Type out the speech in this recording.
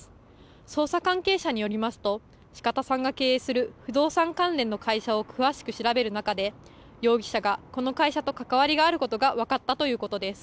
捜査関係者によりますと四方さんが経営する不動産関連の会社を詳しく調べる中で容疑者がこの会社と関わりがあることが分かったということです。